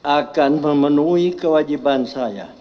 akan memenuhi kewajiban saya